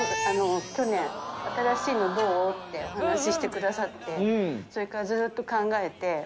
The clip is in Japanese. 去年新しいのどう？ってお話ししてくださってそれからずっと考えて。